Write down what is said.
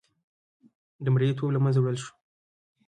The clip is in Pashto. د مریې توب له منځه وړل وشو.